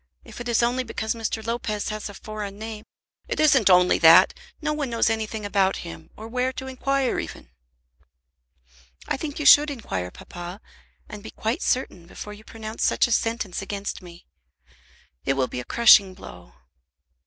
If it is only because Mr. Lopez has a foreign name " "It isn't only that; no one knows anything about him, or where to inquire even." "I think you should inquire, papa, and be quite certain before you pronounce such a sentence against me. It will be a crushing blow."